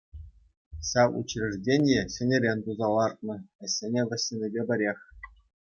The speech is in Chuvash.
Ҫав учреждение ҫӗнӗрен туса лартнӑ, ӗҫсене вӗҫленӗпе пӗрех.